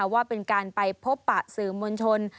ว่าเป็นการไปพบปะสื่อมวลชน